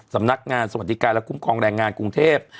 สำนักงานสวัสดิการและคุ้มครองแรงงานกรุงเทพ